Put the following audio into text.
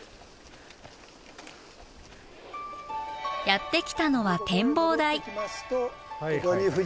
やって来たのは展望台。